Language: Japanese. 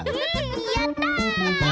やった！